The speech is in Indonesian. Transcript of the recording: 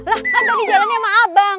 lah kan tadi jalanin sama abang